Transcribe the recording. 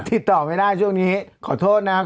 ติดต่อไม่ได้ช่วงนี้ขอโทษนะครับ